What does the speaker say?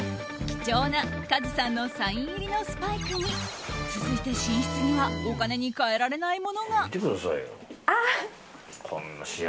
貴重なカズさんのサイン入りのスパイクに続いて寝室にはお金に換えられないものが。